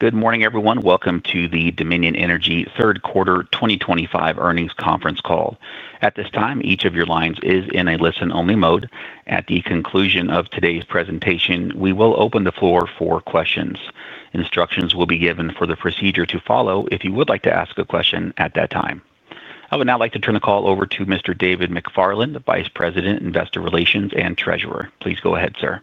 Good morning, everyone. Welcome to the Dominion Energy Q3 2025 earnings conference call. At this time, each of your lines is in a listen-only mode. At the conclusion of today's presentation, we will open the floor for questions. Instructions will be given for the procedure to follow if you would like to ask a question at that time. I would now like to turn the call over to Mr. David McFarland, Vice President, Investor Relations, and Treasurer. Please go ahead, sir.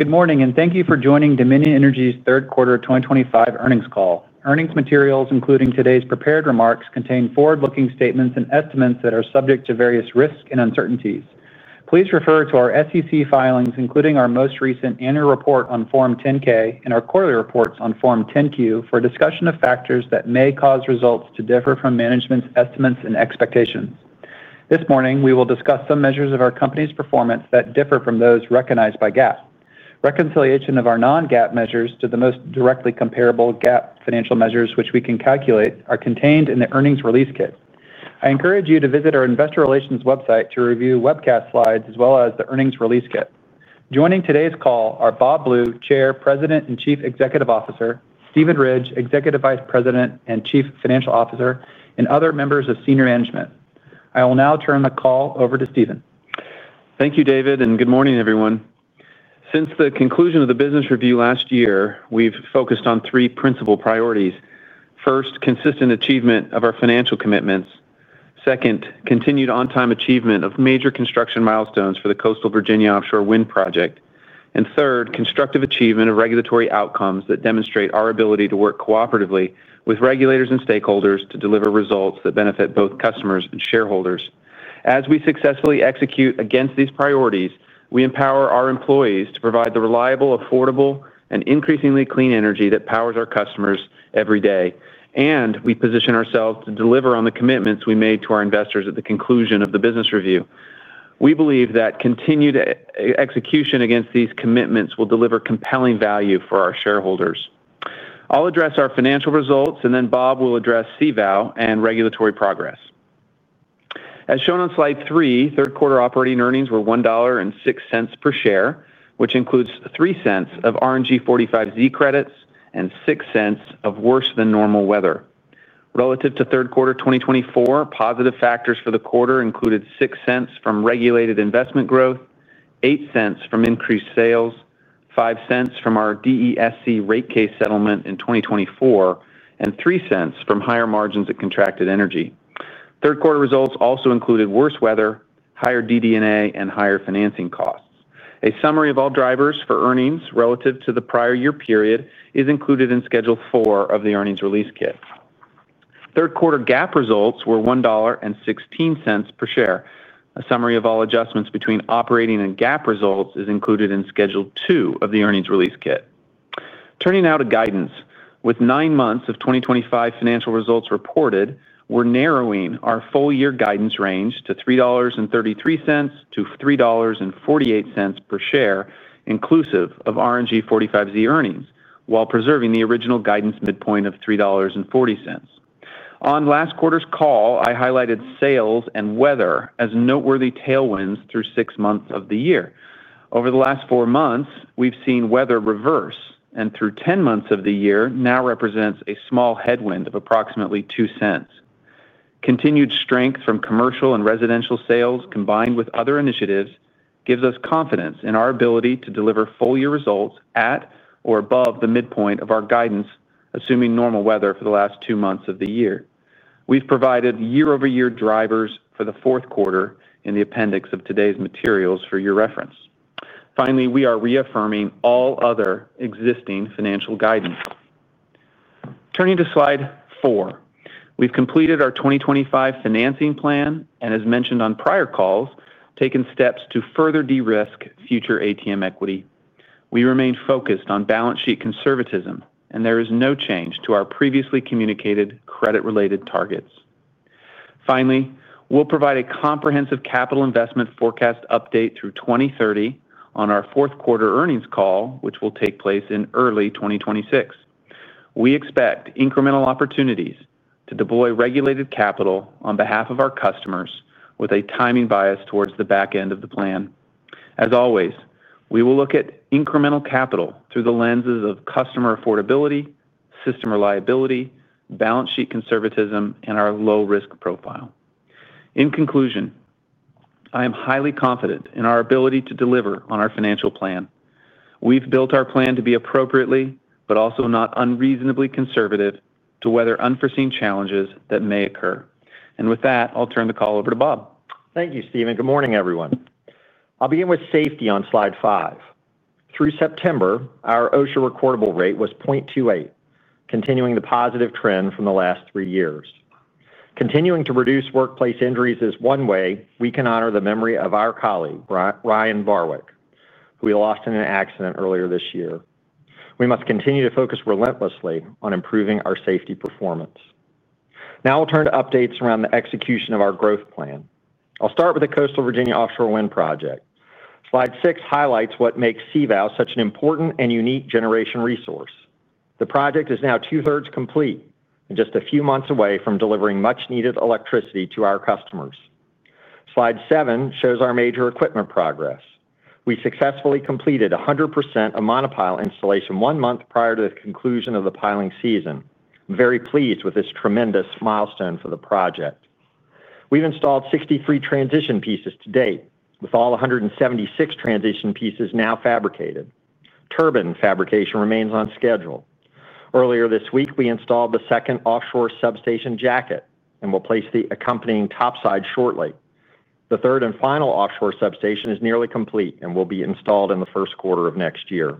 Good morning, and thank you for joining Dominion Energy's Q3 2025 earnings call. Earnings materials, including today's prepared remarks, contain forward-looking statements and estimates that are subject to various risks and uncertainties. Please refer to our SEC filings, including our most recent annual report on Form 10-K and our quarterly reports on Form 10-Q, for discussion of factors that may cause results to differ from management's estimates and expectations. This morning, we will discuss some measures of our company's performance that differ from those recognized by GAAP. Reconciliation of our non-GAAP measures to the most directly comparable GAAP financial measures, which we can calculate, are contained in the earnings release kit. I encourage you to visit our Investor Relations website to review webcast slides as well as the earnings release kit. Joining today's call are Bob Blue, Chair, President and Chief Executive Officer, Steven Ridge, Executive Vice President and Chief Financial Officer, and other members of senior management. I will now turn the call over to Steven. Thank you, David, and good morning, everyone. Since the conclusion of the business review last year, we've focused on three principal priorities. First, consistent achievement of our financial commitments. Second, continued on-time achievement of major construction milestones for the Coastal Virginia Offshore Wind Project. Third, constructive achievement of regulatory outcomes that demonstrate our ability to work cooperatively with regulators and stakeholders to deliver results that benefit both customers and shareholders. As we successfully execute against these priorities, we empower our employees to provide the reliable, affordable, and increasingly clean energy that powers our customers every day, and we position ourselves to deliver on the commitments we made to our investors at the conclusion of the business review. We believe that continued execution against these commitments will deliver compelling value for our shareholders. I'll address our financial results, and then Bob will address CVOW and regulatory progress. As shown on Slide 3, Q3 operating earnings were $1.06 per share, which includes $0.03 of RNG 45Z credits and $0.06 of worse-than-normal weather. Relative to Q3 2024, positive factors for the quarter included $0.06 from regulated investment growth, $0.08 from increased sales, $0.05 from our DESC rate case settlement in 2024, and $0.03 from higher margins at contracted energy. Q3 results also included worse weather, higher DDNA, and higher financing costs. A summary of all drivers for earnings relative to the prior year period is included in Schedule 4 of the earnings release kit. Q3 GAAP results were $1.16 per share. A summary of all adjustments between operating and GAAP results is included in Schedule 2 of the earnings release kit. Turning now to guidance. With nine months of 2025 financial results reported, we're narrowing our full-year guidance range to $3.33-$3.48 per share, inclusive of RNG 45Z earnings, while preserving the original guidance midpoint of $3.40. On last quarter's call, I highlighted sales and weather as noteworthy tailwinds through six months of the year. Over the last four months, we've seen weather reverse, and through ten months of the year, now represents a small headwind of approximately $0.02. Continued strength from commercial and residential sales, combined with other initiatives, gives us confidence in our ability to deliver full-year results at or above the midpoint of our guidance, assuming normal weather for the last two months of the year. We've provided year-over-year drivers for the fourth quarter in the appendix of today's materials for your reference. Finally, we are reaffirming all other existing financial guidance. Turning to Slide 4, we've completed our 2025 financing plan and, as mentioned on prior calls, taken steps to further de-risk future ATM equity. We remain focused on balance sheet conservatism, and there is no change to our previously communicated credit-related targets. Finally, we'll provide a comprehensive capital investment forecast update through 2030 on our Q4 earnings call, which will take place in early 2026. We expect incremental opportunities to deploy regulated capital on behalf of our customers, with a timing bias towards the back end of the plan. As always, we will look at incremental capital through the lenses of customer affordability, system reliability, balance sheet conservatism, and our low-risk profile. In conclusion, I am highly confident in our ability to deliver on our financial plan. We've built our plan to be appropriately, but also not unreasonably conservative, to weather unforeseen challenges that may occur. With that, I'll turn the call over to Bob. Thank you, Steven. Good morning, everyone. I'll begin with safety on Slide 5. Through September, our OSHA recordable rate was 0.28, continuing the positive trend from the last three years. Continuing to reduce workplace injuries is one way we can honor the memory of our colleague, Brian Barwick, who we lost in an accident earlier this year. We must continue to focus relentlessly on improving our safety performance. Now I'll turn to updates around the execution of our growth plan. I'll start with the Coastal Virginia Offshore Wind Project. Slide 6 highlights what makes CVOW such an important and unique generation resource. The project is now two-thirds complete and just a few months away from delivering much-needed electricity to our customers. Slide 7 shows our major equipment progress. We successfully completed 100% of monopile installation one month prior to the conclusion of the piling season. I'm very pleased with this tremendous milestone for the project. We've installed 63 transition pieces to date, with all 176 transition pieces now fabricated. Turbine fabrication remains on schedule. Earlier this week, we installed the second offshore substation jacket, and we'll place the accompanying topside shortly. The third and final offshore substation is nearly complete and will be installed in the first quarter of next year.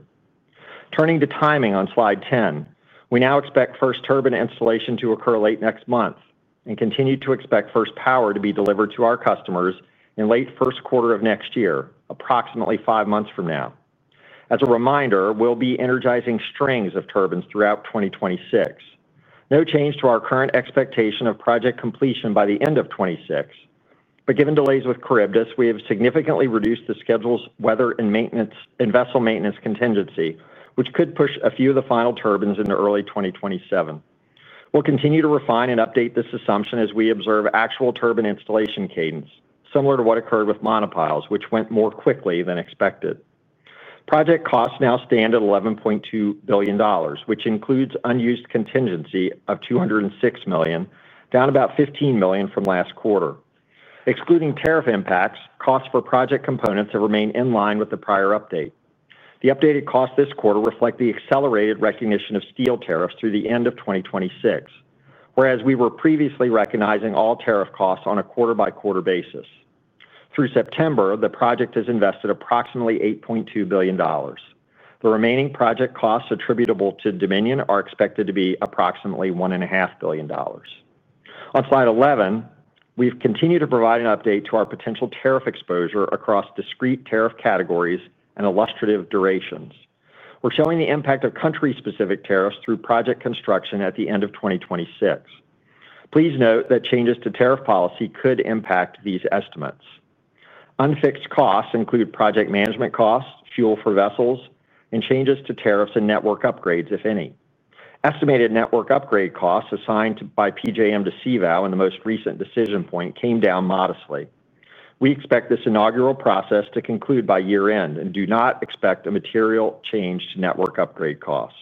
Turning to timing on Slide 10, we now expect first turbine installation to occur late next month and continue to expect first power to be delivered to our customers in late first quarter of next year, approximately five months from now. As a reminder, we'll be energizing strings of turbines throughout 2026. No change to our current expectation of project completion by the end of 2026, but given delays with Charybdis, we have significantly reduced the schedule's weather and vessel maintenance contingency, which could push a few of the final turbines into early 2027. We'll continue to refine and update this assumption as we observe actual turbine installation cadence, similar to what occurred with monopiles, which went more quickly than expected. Project costs now stand at $11.2 billion, which includes unused contingency of $206 million, down about $15 million from last quarter. Excluding tariff impacts, costs for project components have remained in line with the prior update. The updated costs this quarter reflect the accelerated recognition of steel tariffs through the end of 2026, whereas we were previously recognizing all tariff costs on a quarter-by-quarter basis. Through September, the project has invested approximately $8.2 billion. The remaining project costs attributable to Dominion are expected to be approximately $1.5 billion. On Slide 11, we've continued to provide an update to our potential tariff exposure across discrete tariff categories and illustrative durations. We're showing the impact of country-specific tariffs through project construction at the end of 2026. Please note that changes to tariff policy could impact these estimates. Unfixed costs include project management costs, fuel for vessels, and changes to tariffs and network upgrades, if any. Estimated network upgrade costs assigned by PJM to CVOW in the most recent decision point came down modestly. We expect this inaugural process to conclude by year-end and do not expect a material change to network upgrade costs.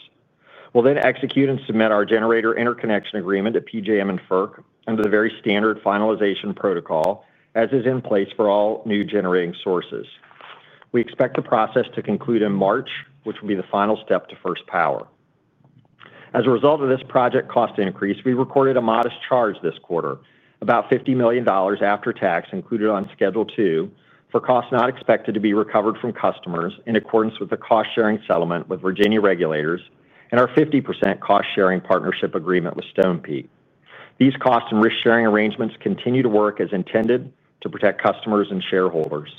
We'll then execute and submit our generator interconnection agreement to PJM and FERC under the very standard finalization protocol, as is in place for all new generating sources. We expect the process to conclude in March, which will be the final step to first power. As a result of this project cost increase, we recorded a modest charge this quarter, about $50 million after tax, included on Schedule 2 for costs not expected to be recovered from customers in accordance with the cost-sharing settlement with Virginia regulators and our 50% cost-sharing partnership agreement with Stonepeak. These cost and risk-sharing arrangements continue to work as intended to protect customers and shareholders.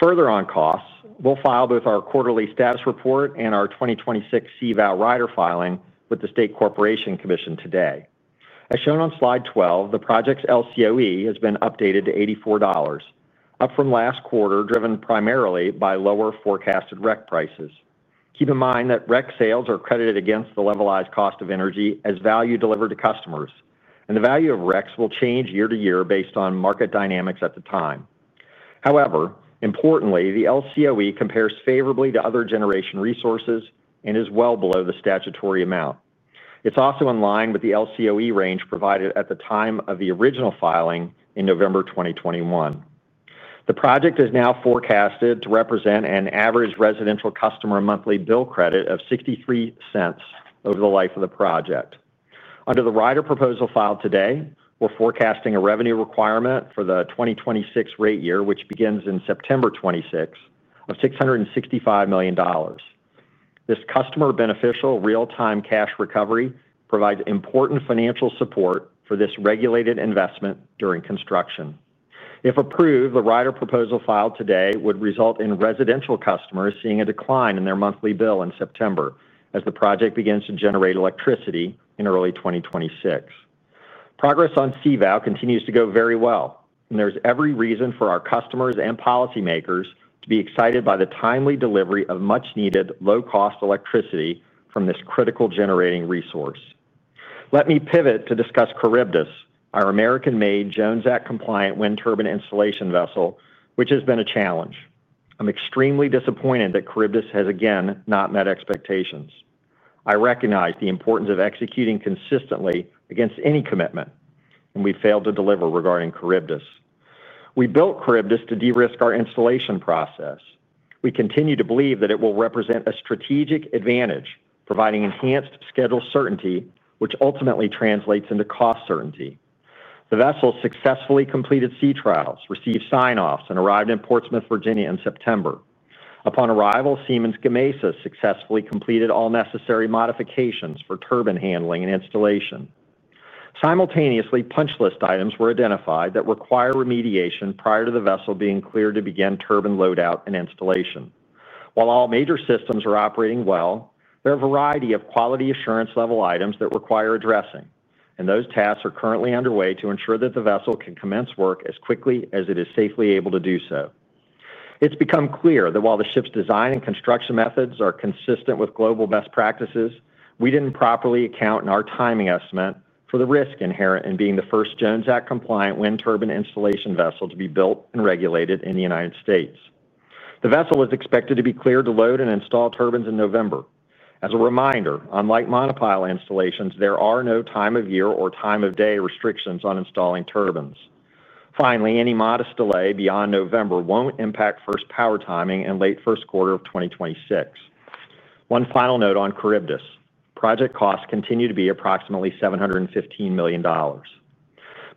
Further on costs, we'll file both our quarterly status report and our 2026 CVOW rider filing with the State Corporation Commission today. As shown on Slide 12, the project's LCOE has been updated to $84. Up from last quarter, driven primarily by lower forecasted REC prices. Keep in mind that REC sales are credited against the levelized cost of energy as value delivered to customers, and the value of RECs will change year-to-year based on market dynamics at the time. However, importantly, the LCOE compares favorably to other generation resources and is well below the statutory amount. It's also in line with the LCOE range provided at the time of the original filing in November 2021. The project is now forecasted to represent an average residential customer monthly bill credit of $0.63 over the life of the project. Under the rider proposal filed today, we're forecasting a revenue requirement for the 2026 rate year, which begins in September 2026, of $665 million. This customer-beneficial real-time cash recovery provides important financial support for this regulated investment during construction. If approved, the rider proposal filed today would result in residential customers seeing a decline in their monthly bill in September as the project begins to generate electricity in early 2026. Progress on CVOW continues to go very well, and there's every reason for our customers and policymakers to be excited by the timely delivery of much-needed low-cost electricity from this critical generating resource. Let me pivot to discuss Charybdis, our American-made Jones Act-compliant wind turbine installation vessel, which has been a challenge. I'm extremely disappointed that Charybdis has again not met expectations. I recognize the importance of executing consistently against any commitment, and we failed to deliver regarding Charybdis. We built Charybdis to de-risk our installation process. We continue to believe that it will represent a strategic advantage, providing enhanced schedule certainty, which ultimately translates into cost certainty. The vessel successfully completed sea trials, received sign-offs, and arrived in Portsmouth, Virginia, in September. Upon arrival, Siemens Gamesa successfully completed all necessary modifications for turbine handling and installation. Simultaneously, punch list items were identified that require remediation prior to the vessel being cleared to begin turbine loadout and installation. While all major systems are operating well, there are a variety of quality assurance-level items that require addressing, and those tasks are currently underway to ensure that the vessel can commence work as quickly as it is safely able to do so. It's become clear that while the ship's design and construction methods are consistent with global best practices, we didn't properly account in our timing estimate for the risk inherent in being the first Jones Act-compliant wind turbine installation vessel to be built and regulated in the United States. The vessel is expected to be cleared to load and install turbines in November. As a reminder, unlike monopile installations, there are no time-of-year or time-of-day restrictions on installing turbines. Finally, any modest delay beyond November won't impact first power timing in late first quarter of 2026. One final note on Charybdis: project costs continue to be approximately $715 million.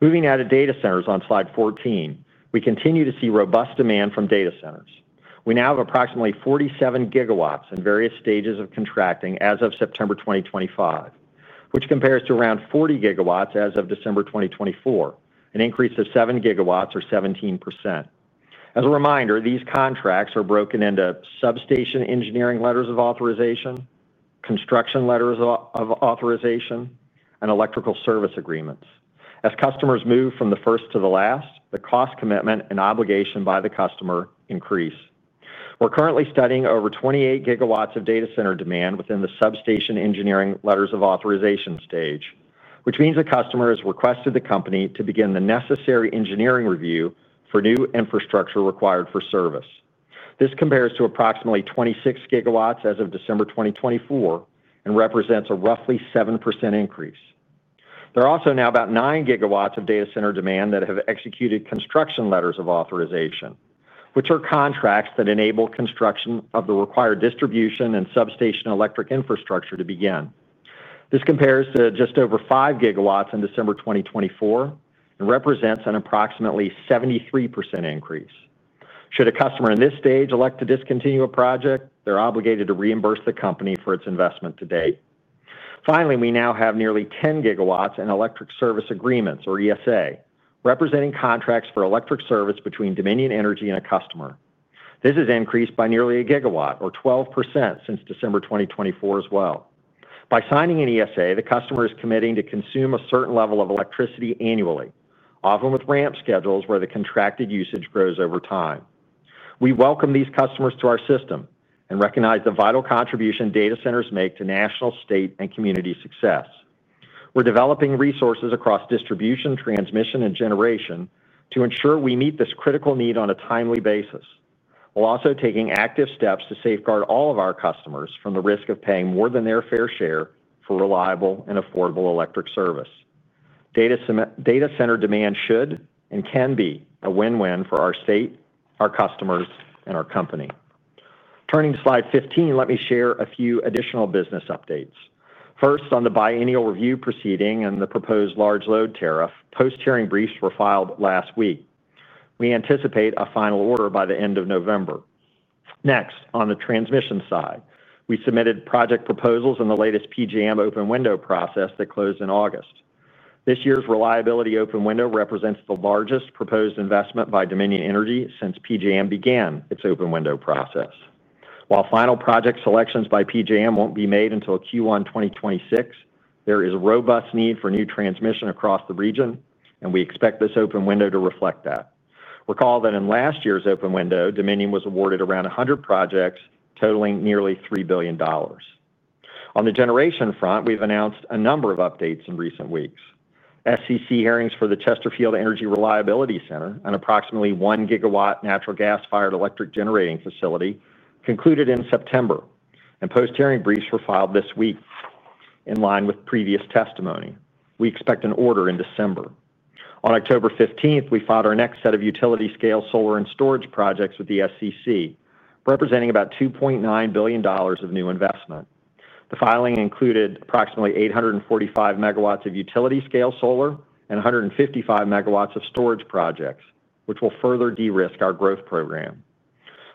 Moving out of data centers on Slide 14, we continue to see robust demand from data centers. We now have approximately 47 GW in various stages of contracting as of September 2025, which compares to around 40 GW as of December 2024, an increase of 7 GW or 17%. As a reminder, these contracts are broken into substation engineering letters of authorization, construction letters of authorization, and electric service agreements. As customers move from the first to the last, the cost commitment and obligation by the customer increase. We're currently studying over 28 GW of data center demand within the substation engineering letters of authorization stage, which means a customer has requested the company to begin the necessary engineering review for new infrastructure required for service. This compares to approximately 26 GW as of December 2024 and represents a roughly 7% increase. There are also now about 9 GW of data center demand that have executed construction letters of authorization, which are contracts that enable construction of the required distribution and substation electric infrastructure to begin. This compares to just over 5 GW in December 2024 and represents an approximately 73% increase. Should a customer in this stage elect to discontinue a project, they're obligated to reimburse the company for its investment to date. Finally, we now have nearly 10 GW in electric service agreements, or ESA, representing contracts for electric service between Dominion Energy and a customer. This has increased by nearly a GW, or 12%, since December 2024 as well. By signing an ESA, the customer is committing to consume a certain level of electricity annually, often with ramp schedules where the contracted usage grows over time. We welcome these customers to our system and recognize the vital contribution data centers make to national, state, and community success. We're developing resources across distribution, transmission, and generation to ensure we meet this critical need on a timely basis, while also taking active steps to safeguard all of our customers from the risk of paying more than their fair share for reliable and affordable electric service. Data center demand should and can be a win-win for our state, our customers, and our company. Turning to Slide 15, let me share a few additional business updates. First, on the biennial review proceeding and the proposed large load tariff, post-hearing briefs were filed last week. We anticipate a final order by the end of November. Next, on the transmission side, we submitted project proposals in the latest PJM open window process that closed in August. This year's reliability open window represents the largest proposed investment by Dominion Energy since PJM began its open window process. While final project selections by PJM won't be made until Q1 2026, there is a robust need for new transmission across the region, and we expect this open window to reflect that. Recall that in last year's open window, Dominion was awarded around 100 projects totaling nearly $3 billion. On the generation front, we've announced a number of updates in recent weeks. SCC hearings for the Chesterfield Energy Reliability Center, an approximately 1 GW natural gas-fired electric generating facility, concluded in September, and post-hearing briefs were filed this week in line with previous testimony. We expect an order in December. On October 15th, we filed our next set of utility-scale solar and storage projects with the SCC, representing about $2.9 billion of new investment. The filing included approximately 845 MW of utility-scale solar and 155 MW of storage projects, which will further de-risk our growth program.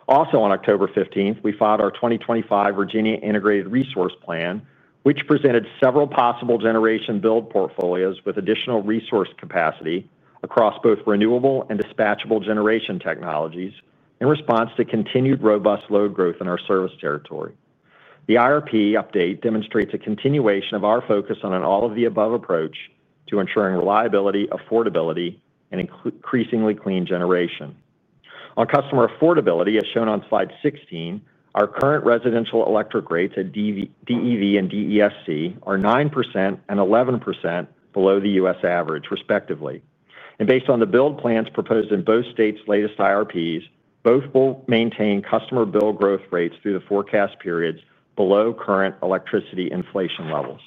Also, on October 15th, we filed our 2025 Virginia Integrated Resource Plan, which presented several possible generation build portfolios with additional resource capacity across both renewable and dispatchable generation technologies in response to continued robust load growth in our service territory. The IRP update demonstrates a continuation of our focus on an all-of-the-above approach to ensuring reliability, affordability, and increasingly clean generation. On customer affordability, as shown on Slide 16, our current residential electric rates at DEV and DESC are 9% and 11% below the U.S. average, respectively. Based on the build plans proposed in both states' latest IRPs, both will maintain customer bill growth rates through the forecast periods below current electricity inflation levels.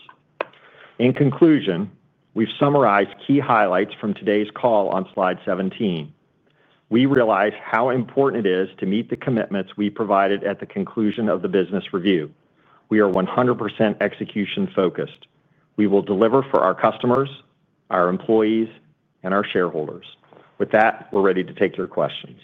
In conclusion, we've summarized key highlights from today's call on Slide 17. We realize how important it is to meet the commitments we provided at the conclusion of the business review. We are 100% execution-focused. We will deliver for our customers, our employees, and our shareholders. With that, we're ready to take your questions.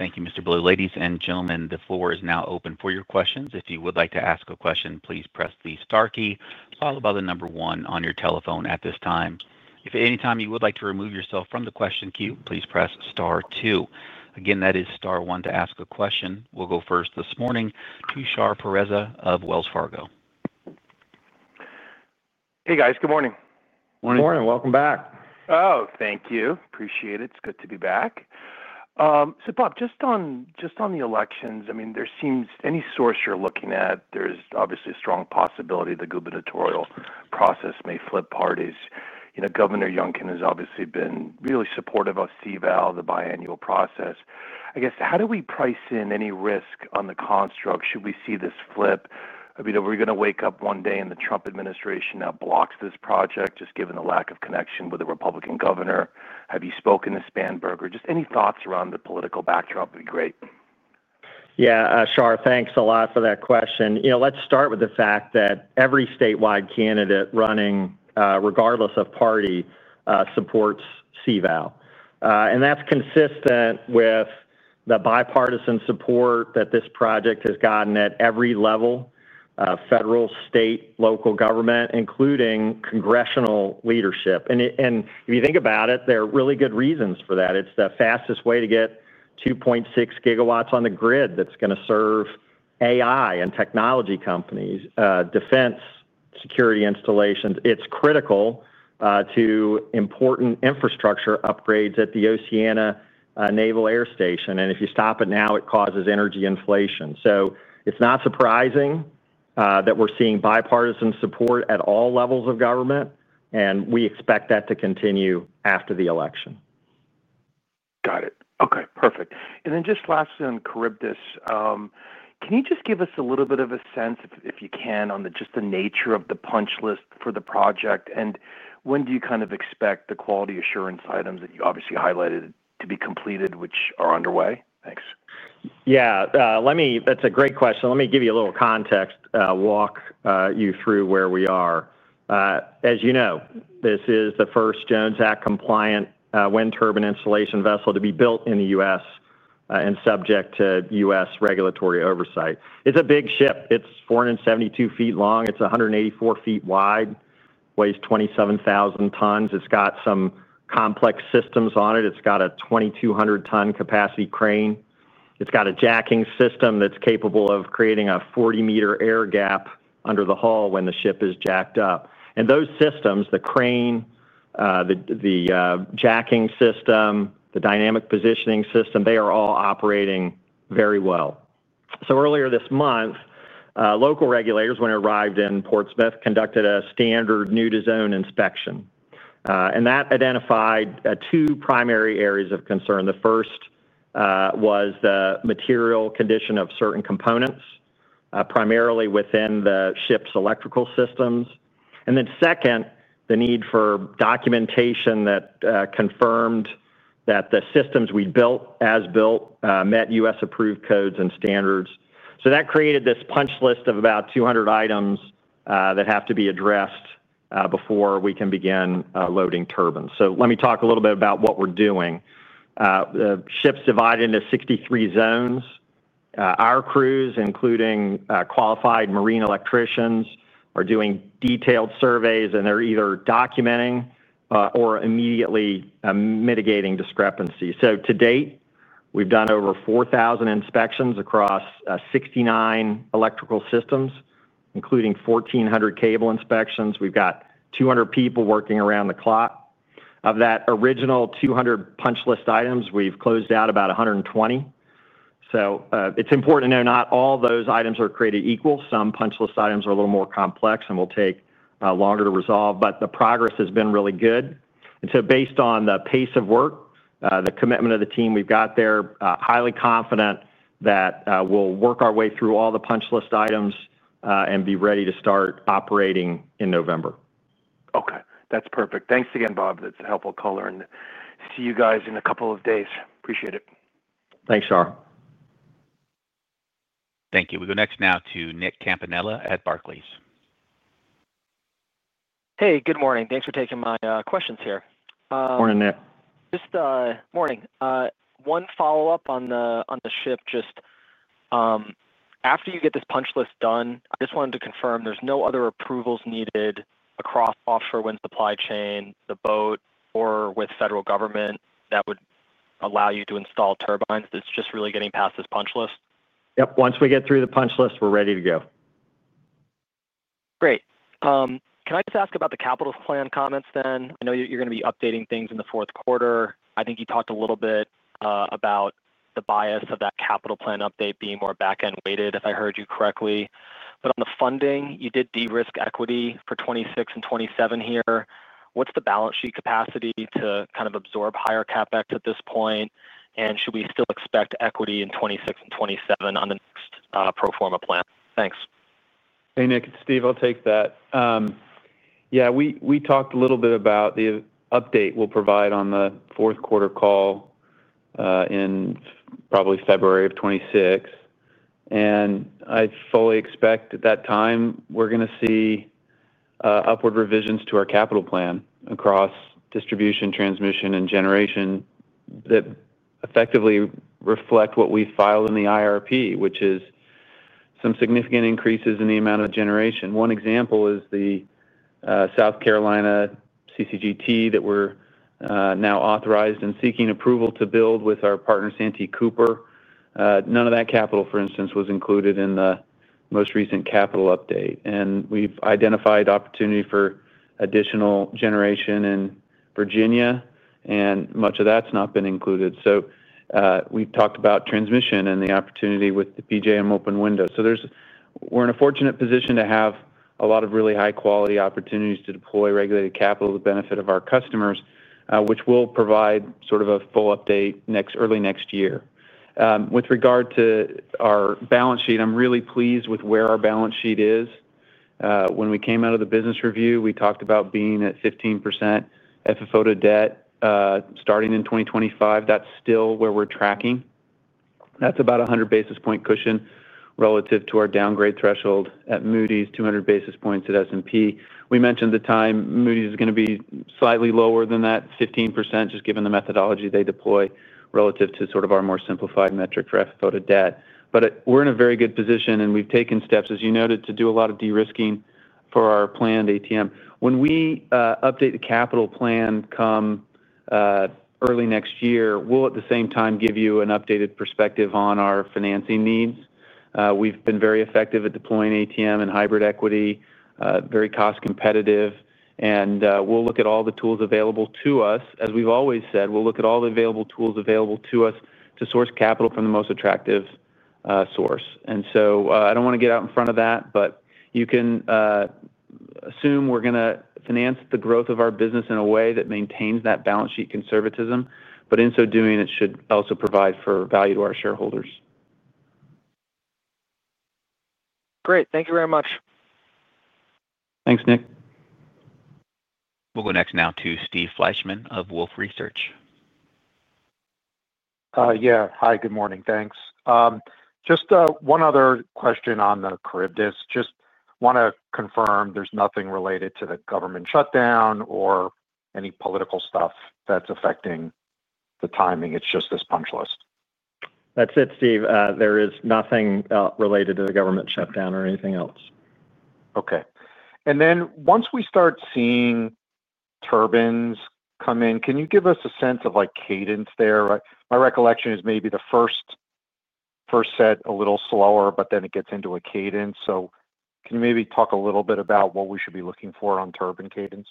Thank you, Mr. Blue. Ladies and gentlemen, the floor is now open for your questions. If you would like to ask a question, please press the star key, followed by the number one on your telephone at this time. If at any time you would like to remove yourself from the question queue, please press star two. Again, that is star one to ask a question. We'll go first this morning to Shar Pereza of Wells Fargo. Hey, guys. Good morning. Morning. Welcome back. Oh, thank you. Appreciate it. It's good to be back. Bob, just on the elections, I mean, there seems any source you're looking at, there's obviously a strong possibility the gubernatorial process may flip parties. Governor Youngkin has obviously been really supportive of CVOW, the biennial process. I guess, how do we price in any risk on the construct? Should we see this flip? I mean, are we going to wake up one day and the Trump administration now blocks this project, just given the lack of connection with the Republican governor? Have you spoken to Spanberger? Just any thoughts around the political backdrop would be great. Yeah, Shar, thanks a lot for that question. Let's start with the fact that every statewide candidate running, regardless of party, supports CVOW. That's consistent with the bipartisan support that this project has gotten at every level: federal, state, local government, including congressional leadership. If you think about it, there are really good reasons for that. It's the fastest way to get 2.6 GW on the grid that's going to serve AI and technology companies, defense security installations. It's critical to important infrastructure upgrades at the Oceana Naval Air Station. If you stop it now, it causes energy inflation. It's not surprising that we're seeing bipartisan support at all levels of government, and we expect that to continue after the election. Got it. Okay. Perfect. Lastly, on Charybdis, can you just give us a little bit of a sense, if you can, on just the nature of the punch list for the project? When do you kind of expect the quality assurance items that you obviously highlighted to be completed, which are underway? Thanks. Yeah. That's a great question. Let me give you a little context, walk you through where we are. As you know, this is the first Jones Act-compliant wind turbine installation vessel to be built in the U.S. and subject to U.S. regulatory oversight. It's a big ship. It's 472 ft long. It's 184 ft wide, weighs 27,000 tons. It's got some complex systems on it. It's got a 2,200-ton capacity crane. It's got a jacking system that's capable of creating a 40-m air gap under the hull when the ship is jacked up. Those systems, the crane, the jacking system, the dynamic positioning system, they are all operating very well. Earlier this month, local regulators, when it arrived in Portsmouth, conducted a standard nude-to-zone inspection. That identified two primary areas of concern. The first was the material condition of certain components, primarily within the ship's electrical systems. The second was the need for documentation that confirmed that the systems we'd built, as built, met U.S.-approved codes and standards. That created this punch list of about 200 items that have to be addressed before we can begin loading turbines. Let me talk a little bit about what we're doing. The ship's divided into 63 zones. Our crews, including qualified marine electricians, are doing detailed surveys, and they're either documenting or immediately mitigating discrepancies. To date, we've done over 4,000 inspections across 69 electrical systems, including 1,400 cable inspections. We've got 200 people working around the clock. Of that original 200 punch list items, we've closed out about 120. It's important to know not all those items are created equal. Some punch list items are a little more complex and will take longer to resolve. The progress has been really good. Based on the pace of work, the commitment of the team we've got there, highly confident that we'll work our way through all the punch list items and be ready to start operating in November. Okay. That's perfect. Thanks again, Bob. That's a helpful caller. See you guys in a couple of days. Appreciate it. Thanks, Shar. Thank you. We go next now to Nick Campanella at Barclays. Hey, good morning. Thanks for taking my questions here. Morning, Nick. Morning. One follow-up on the ship. After you get this punch list done, I just wanted to confirm there's no other approvals needed across offshore wind supply chain, the boat, or with federal government that would allow you to install turbines. It's just really getting past this punch list. Yep. Once we get through the punch list, we're ready to go. Great. Can I just ask about the capital plan comments then? I know you're going to be updating things in the fourth quarter. I think you talked a little bit about the bias of that capital plan update being more back-end weighted, if I heard you correctly. On the funding, you did de-risk equity for 2026 and 2027 here. What's the balance sheet capacity to kind of absorb higher CapEx at this point? Should we still expect equity in 2026 and 2027 on the next pro forma plan? Thanks. Hey, Nick. It's Steve.I'll take that. Yeah. We talked a little bit about the update we'll provide on the fourth quarter call, in probably February of 2026. I fully expect at that time we're going to see upward revisions to our capital plan across distribution, transmission, and generation that effectively reflect what we filed in the IRP, which is some significant increases in the amount of generation. One example is the South Carolina CCGT that we're now authorized and seeking approval to build with our partner, Santee Cooper. None of that capital, for instance, was included in the most recent capital update. We've identified opportunity for additional generation in Virginia, and much of that's not been included. We've talked about transmission and the opportunity with the PJM open window. We're in a fortunate position to have a lot of really high-quality opportunities to deploy regulated capital to the benefit of our customers, which we'll provide sort of a full update early next year. With regard to our balance sheet, I'm really pleased with where our balance sheet is. When we came out of the business review, we talked about being at 15% FFO to debt starting in 2025. That's still where we're tracking. That's about a 100 basis point cushion relative to our downgrade threshold at Moody's, 200 basis points at S&P. We mentioned at the time Moody's is going to be slightly lower than that 15%, just given the methodology they deploy relative to sort of our more simplified metric for FFO to debt. We're in a very good position, and we've taken steps, as you noted, to do a lot of de-risking for our planned ATM. When we update the capital plan early next year, we'll at the same time give you an updated perspective on our financing needs. We've been very effective at deploying ATM and hybrid equity, very cost-competitive. We'll look at all the tools available to us. As we've always said, we'll look at all the available tools to source capital from the most attractive source. I don't want to get out in front of that, but you can assume we're going to finance the growth of our business in a way that maintains that balance sheet conservatism. In so doing, it should also provide value to our shareholders. Thank you very much. Thanks, Nick. We'll go next now to Steve Fleishman of Wolfe Research. Yeah. Hi. Good morning. Thanks. Just one other question on the Charybdis.Just want to confirm there's nothing related to the government shutdown or any political stuff that's affecting the timing. It's just this punch list. That's it, Steve. There is nothing related to the government shutdown or anything else. Okay. Once we start seeing turbines come in, can you give us a sense of cadence there? My recollection is maybe the first set a little slower, but then it gets into a cadence. Can you maybe talk a little bit about what we should be looking for on turbine cadence?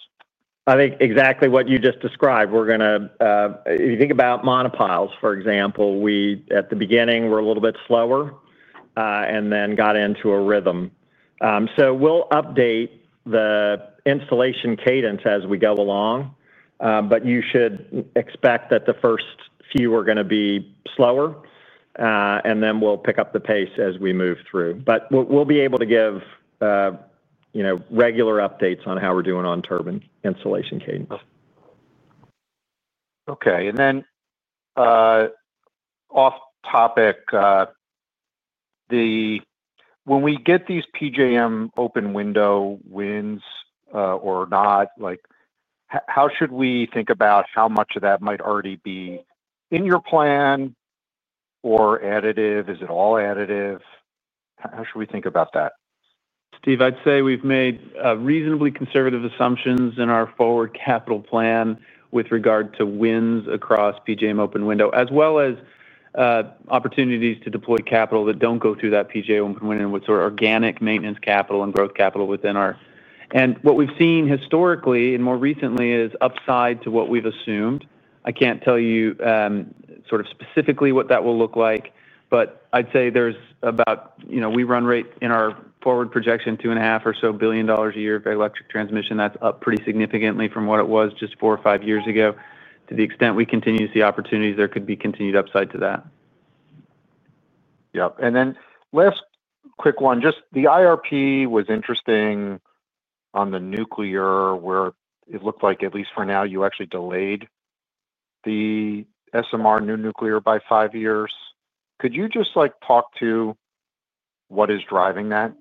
I think exactly what you just described. If you think about monopiles, for example, at the beginning, we're a little bit slower and then got into a rhythm. We'll update the installation cadence as we go along, but you should expect that the first few are going to be slower and then we'll pick up the pace as we move through. We'll be able to give regular updates on how we're doing on turbine installation cadence. Okay. Off topic, when we get these PJM open window wins or not, how should we think about how much of that might already be in your plan or additive? Is it all additive? How should we think about that? Steve, I'd say we've made reasonably conservative assumptions in our forward capital plan with regard to wins across PJM open window, as well as opportunities to deploy capital that don't go through that PJM open window, which are organic maintenance capital and growth capital within our—and what we've seen historically and more recently is upside to what we've assumed. I can't tell you. Sort of specifically what that will look like, but I'd say there's about—we run rate in our forward projection $2.5 billion or so a year for electric transmission. That's up pretty significantly from what it was just four or five years ago. To the extent we continue to see opportunities, there could be continued upside to that. Yep. And then last quick one. Just the IRP was interesting. On the nuclear, where it looked like, at least for now, you actually delayed the SMR new nuclear by five years. Could you just talk to what is driving that?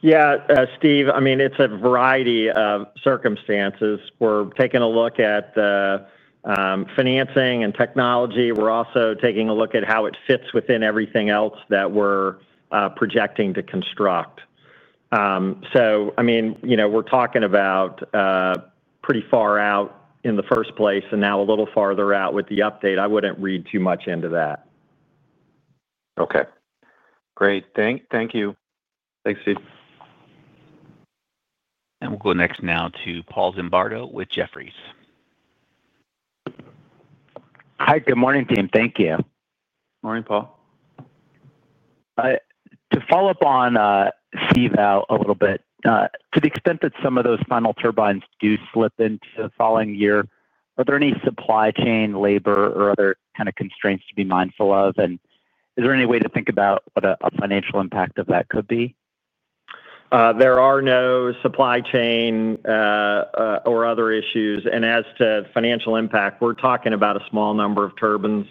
Yeah. Steve, I mean, it's a variety of circumstances. We're taking a look at the financing and technology. We're also taking a look at how it fits within everything else that we're projecting to construct. I mean, we're talking about pretty far out in the first place and now a little farther out with the update. I wouldn't read too much into that. Okay. Great. Thank you. Thanks, Steve. We'll go next now to Paul Zimbardo with Jefferies. Hi. Good morning, Tim. Thank you. Morning, Paul. To follow up on Steve a little bit, to the extent that some of those final turbines do slip into the following year, are there any supply chain, labor, or other kind of constraints to be mindful of? Is there any way to think about what a financial impact of that could be? There are no supply chain or other issues. As to financial impact, we're talking about a small number of turbines,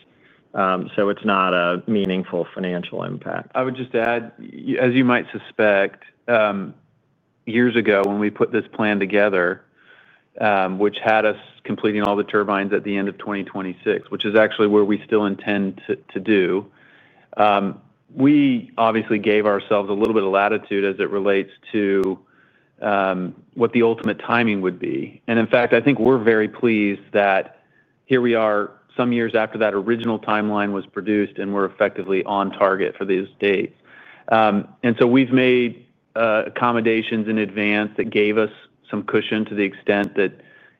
so it's not a meaningful financial impact. I would just add, as you might suspect, years ago when we put this plan together, which had us completing all the turbines at the end of 2026, which is actually where we still intend to do, we obviously gave ourselves a little bit of latitude as it relates to what the ultimate timing would be. In fact, I think we're very pleased that here we are some years after that original timeline was produced, and we're effectively on target for these dates. We've made accommodations in advance that gave us some cushion to the extent that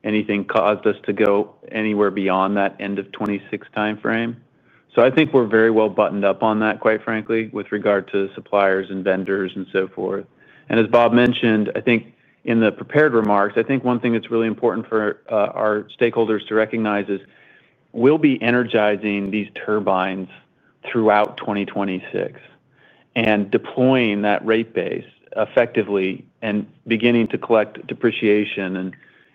anything caused us to go anywhere beyond that end of 2026 timeframe. I think we're very well buttoned up on that, quite frankly, with regard to suppliers and vendors and so forth. As Bob mentioned, I think in the prepared remarks, one thing that's really important for our stakeholders to recognize is we'll be energizing these turbines throughout 2026. Deploying that rate base effectively and beginning to collect depreciation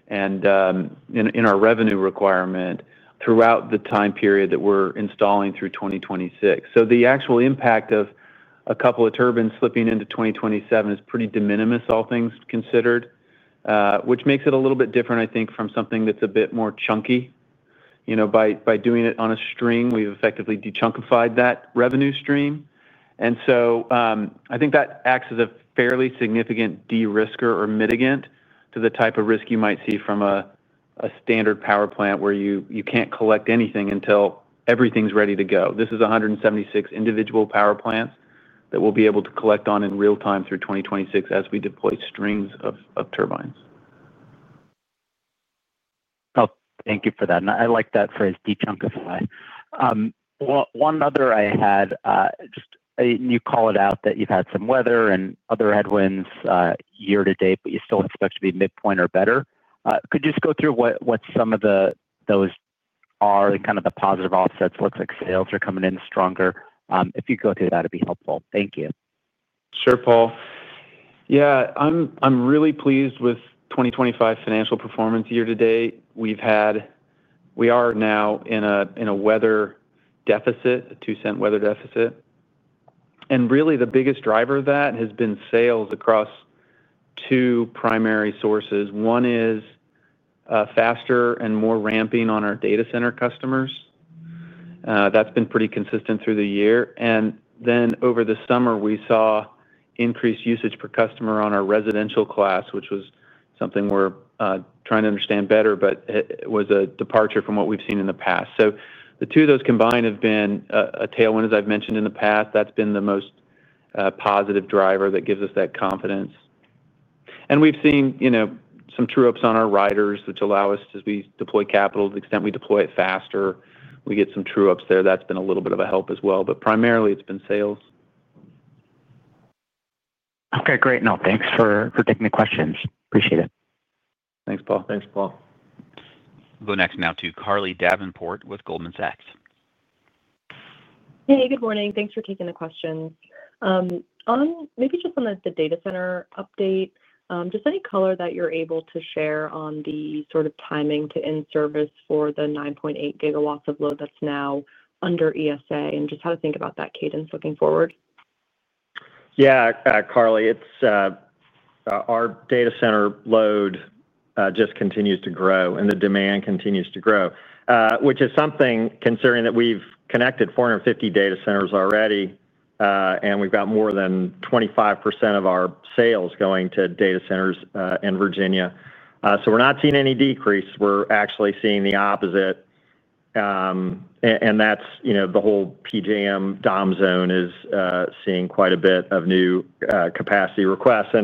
in our revenue requirement throughout the time period that we're installing through 2026, the actual impact of a couple of turbines slipping into 2027 is pretty de minimis, all things considered, which makes it a little bit different, I think, from something that's a bit more chunky. By doing it on a string, we've effectively dechunkified that revenue stream. I think that acts as a fairly significant de-risker or mitigant to the type of risk you might see from a standard power plant where you can't collect anything until everything's ready to go. This is 176 individual power plants that we'll be able to collect on in real time through 2026 as we deploy strings of turbines. Thank you for that. I like that phrase, dechunkify. One other I had. You call it out that you've had some weather and other headwinds year-to-date, but you still expect to be midpoint or better. Could you just go through what some of those are and the positive offsets? It looks like sales are coming in stronger. If you could go through that, it'd be helpful. Thank you. Sure, Paul. I'm really pleased with 2025 financial performance year to date. We are now in a weather deficit, a $0.02 weather deficit. The biggest driver of that has been sales across two primary sources. One is faster and more ramping on our data center customers. That's been pretty consistent through the year. Over the summer, we saw increased usage per customer on our residential class, which was something we're trying to understand better, but it was a departure from what we've seen in the past. The two of those combined have been a tailwind, as I've mentioned in the past. That's been the most positive driver that gives us that confidence. We've seen some true ups on our riders, which allow us, as we deploy capital, to the extent we deploy it faster, we get some true ups there. That's been a little bit of a help as well. Primarily, it's been sales. Great. No, thanks for taking the questions. Appreciate it. Thanks, Paul. Thanks, Paul. We'll go next now to Carly Davenport with Goldman Sachs. Hey, good morning. Thanks for taking the questions. Maybe just on the data center update, just any color that you're able to share on the sort of timing to in-service for the 9.8 GW of load that's now under ESA and just how to think about that cadence looking forward. Yeah, Carly, it's. OUr data center load just continues to grow, and the demand continues to grow, which is something considering that we've connected 450 data centers already, and we've got more than 25% of our sales going to data centers in Virginia. We're not seeing any decrease. We're actually seeing the opposite. The whole PJM DOM zone is seeing quite a bit of new capacity requests.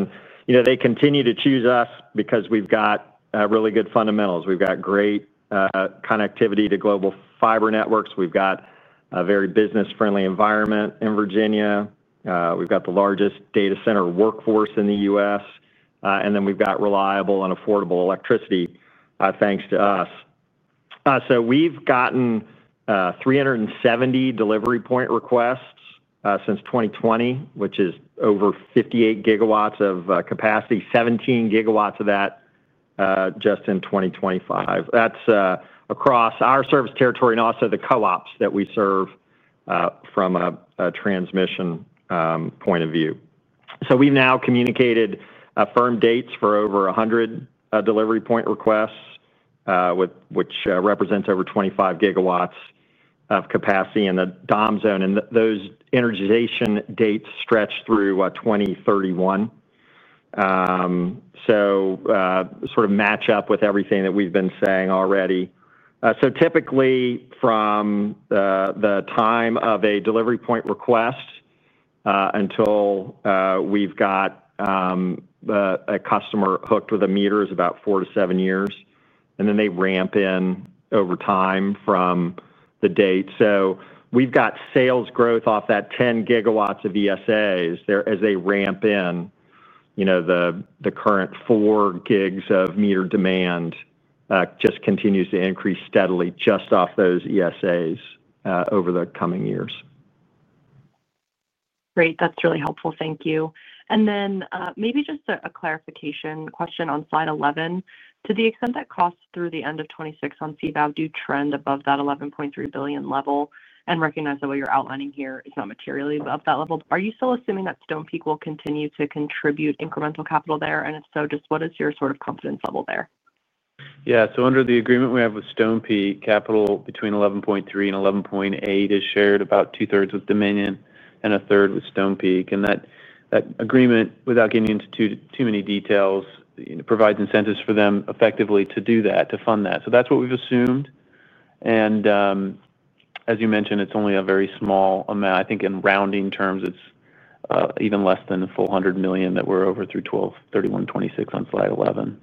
They continue to choose us because we've got really good fundamentals. We've got great connectivity to global fiber networks. We've got a very business-friendly environment in Virginia. We've got the largest data center workforce in the U.S. We've got reliable and affordable electricity thanks to us. We've gotten 370 delivery point requests since 2020, which is over 58 GW of capacity, 17 GW of that just in 2025. That's across our service territory and also the co-ops that we serve from a transmission point of view. We've now communicated firm dates for over 100 delivery point requests, which represents over 25 GW of capacity in the DOM zone. Those energization dates stretch through 2031, which matches up with everything that we've been saying already. Typically, from the time of a delivery point request until we've got a customer hooked with a meter is about four to seven years, and then they ramp in over time from the date. We've got sales growth off that 10 GW of ESAs as they ramp in. The current four gigs of meter demand just continues to increase steadily just off those ESAs over the coming years. Great. That's really helpful. Thank you. Maybe just a clarification question on Slide 11. To the extent that costs through the end of 2026 on CVOW do trend above that $11.3 billion level, and recognize that what you're outlining here is not materially above that level, are you still assuming that Stonepeak will continue to contribute incremental capital there? If so, just what is your sort of confidence level there? Yeah. Under the agreement we have with Stonepeak, capital between $11.3 billion and $11.8 billion is shared about two-thirds with Dominion and a third with Stonepeak. That agreement, without getting into too many details, provides incentives for them effectively to do that, to fund that. That's what we've assumed. As you mentioned, it's only a very small amount. I think in rounding terms, it's even less than the full $100 million that we're over through 2031, 2026 on slide 11.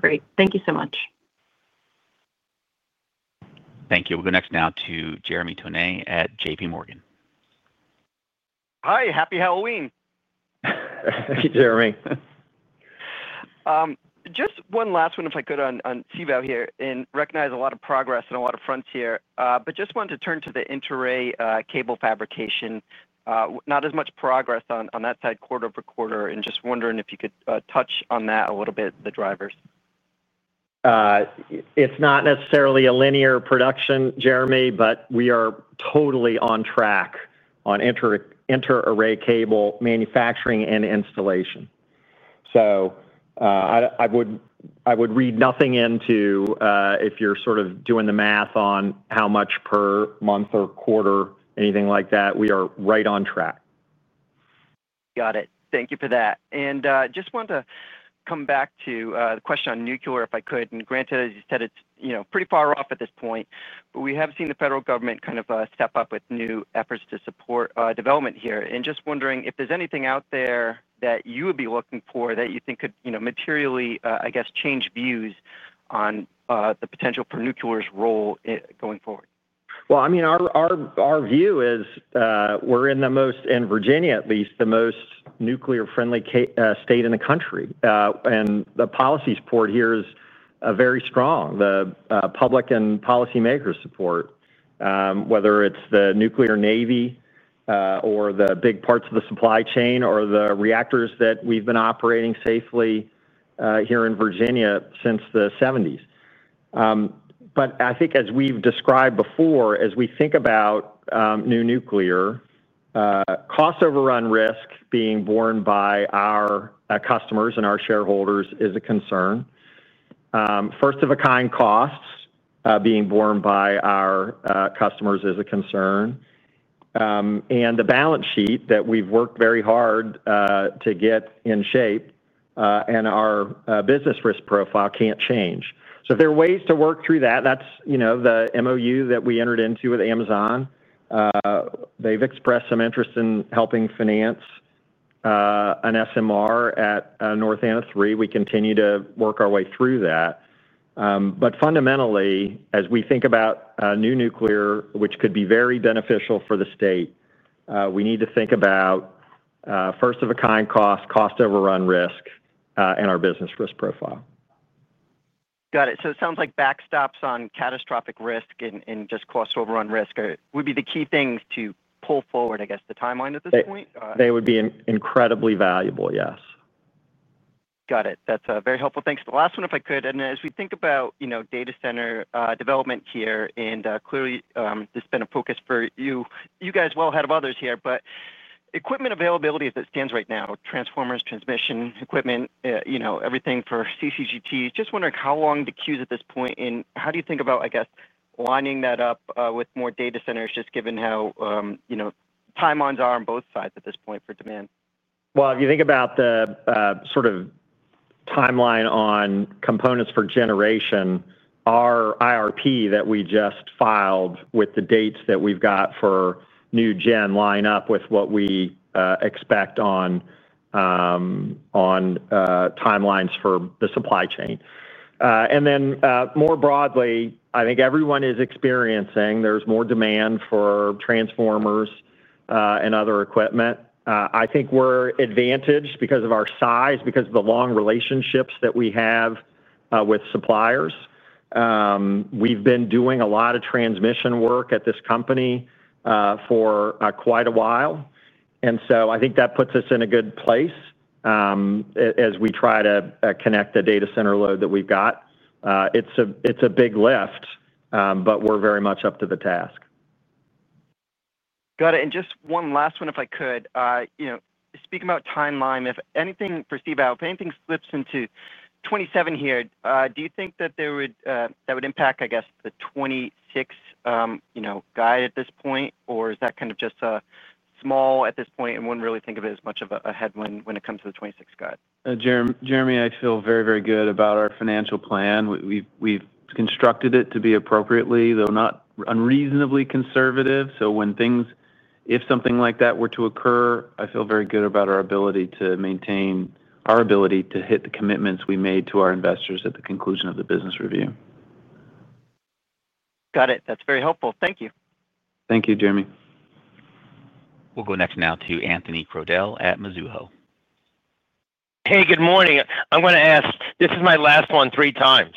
Great. Thank you so much. Thank you We'll go next now to Jeremy Toney at JP Morgan. Hi. Happy Halloween. Thank you, Jeremy. Just one last one, if I could, on CVOW here. I recognize a lot of progress and a lot of frontier, but just wanted to turn to the inter-array cable fabrication. Not as much progress on that side, quarter over quarter, and just wondering if you could touch on that a little bit, the drivers. It's not necessarily a linear production, Jeremy, but we are totally on track on inter-array cable manufacturing and installation. I would read nothing into, if you're sort of doing the math on how much per month or quarter, anything like that. We are right on track. Got it. Thank you for that. Just wanted to come back to the question on nuclear, if I could. Granted, as you said, it's pretty far off at this point, but we have seen the federal government kind of step up with new efforts to support development here. Just wondering if there's anything out there that you would be looking for that you think could materially, I guess, change views on the potential for nuclear's role going forward. Our view is, we're in the most, in Virginia at least, the most nuclear-friendly state in the country. The policy support here is very strong. The public and policymakers' support, whether it's the nuclear navy or the big parts of the supply chain or the reactors that we've been operating safely here in Virginia since the 1970s. I think, as we've described before, as we think about new nuclear, cost overrun risk being borne by our customers and our shareholders is a concern. First-of-a-kind costs being borne by our customers is a concern. The balance sheet that we've worked very hard to get in shape and our business risk profile can't change. If there are ways to work through that, that's the MoU that we entered into with Amazon. They've expressed some interest in helping finance an SMR at North Anna 3. We continue to work our way through that. Fundamentally, as we think about new nuclear, which could be very beneficial for the state, we need to think about. First-of-a-kind costs, cost overrun risk, and our business risk profile. Got it. It sounds like backstops on catastrophic risk and just cost overrun risk would be the key things to pull forward, I guess, the timeline at this point. They would be incredibly valuable, yes. Got it. That's very helpful. Thanks. The last one, if I could. As we think about data center development here, and clearly, there's been a focus for you guys well ahead of others here, but equipment availability as it stands right now, transformers, transmission equipment, everything for CCGT, just wondering how long the queues are at this point. How do you think about, I guess, lining that up with more data centers, just given how timelines are on both sides at this point for demand? If you think about the sort of timeline on components for generation, our IRP that we just filed with the dates that we've got for new gen line up with what we expect on timelines for the supply chain. More broadly, I think everyone is experiencing there's more demand for transformers and other equipment. I think we're advantaged because of our size, because of the long relationships that we have with suppliers. We've been doing a lot of transmission work at this company for quite a while, and I think that puts us in a good place as we try to connect the data center load that we've got. It's a big lift, but we're very much up to the task. Got it. Just one last one, if I could. Speaking about timeline, if anything for CVOW, if anything slips into 2027 here, do you think that that would impact, I guess, the 2026 guide at this point, or is that kind of just a small at this point and wouldn't really think of it as much of a headwind when it comes to the 2026 guide? Jeremy, I feel very, very good about our financial plan. We've constructed it to be appropriately, though not unreasonably, conservative. If something like that were to occur, I feel very good about our ability to maintain our ability to hit the commitments we made to our investors at the conclusion of the business review. Got it. That's very helpful. Thank you. Thank you, Jeremy. We'll go next now to Anthony Crowdell at Mizuho. Hey, good morning. I'm going to ask this is my last one three times.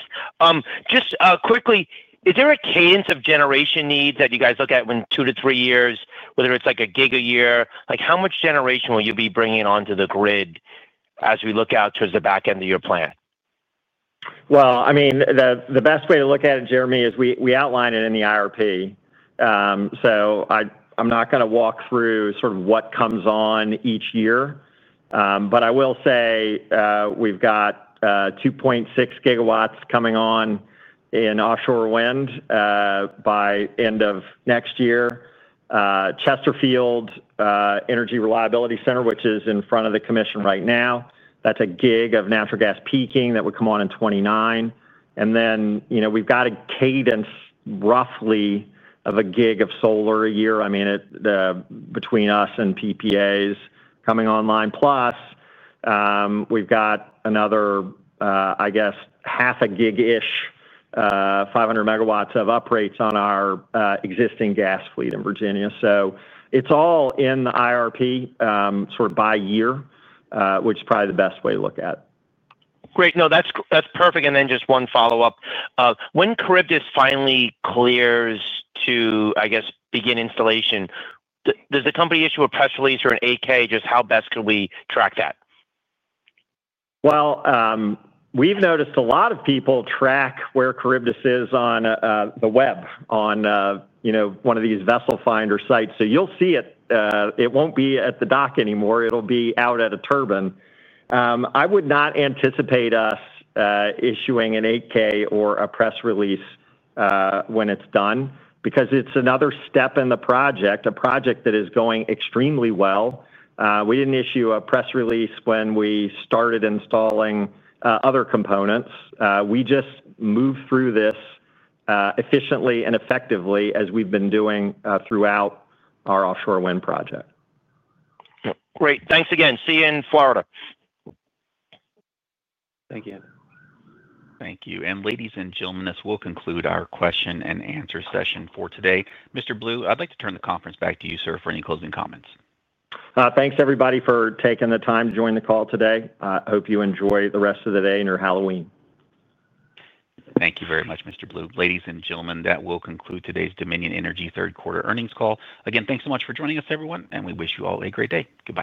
Just quickly, is there a cadence of generation needs that you guys look at in two to three years, whether it's like a gig a year? How much generation will you be bringing onto the grid as we look out towards the back end of your plan? I mean, the best way to look at it, Jeremy, is we outline it in the IRP. I'm not going to walk through sort of what comes on each year. I will say we've got 2.6 GW coming on in offshore wind by end of next year. Chesterfield Energy Reliability Center, which is in front of the commission right now, that's a gig of natural gas peaking that would come on in 2029. We've got a cadence roughly of a gig of solar a year between us and PPAs coming online. Plus, we've got another, I guess, 0.5 GW-ish, 500 MW of uprates on our existing gas fleet in Virginia. It's all in the IRP sort of by year, which is probably the best way to look at it. Great. No, that's perfect. Just one follow-up. When Charybdis finally clears to, I guess, begin installation, does the company issue a press release or an AK? Just how best can we track that? We've noticed a lot of people track where Charybdis is on the web, on one of these vessel finder sites. You'll see it. It won't be at the dock anymore. It'll be out at a turbine. I would not anticipate us issuing an AK or a press release when it's done because it's another step in the project, a project that is going extremely well. We didn't issue a press release when we started installing other components. We just moved through this efficiently and effectively as we've been doing throughout our offshore wind project. Great. Thanks again. See you in Florida. Thank you. Thank you. Ladies and gentlemen, this will conclude our question and answer session for today. Mr. Blue, I'd like to turn the conference back to you, sir, for any closing comments. Thanks, everybody, for taking the time to join the call today. I hope you enjoy the rest of the day and your Halloween. Thank you very much, Mr. Blue. Ladies and gentlemen, that will conclude today's Dominion Energy third-quarter earnings call. Again, thanks so much for joining us, everyone, and we wish you all a great day. Goodbye.